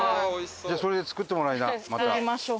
じゃあそれで作ってもらいなまた。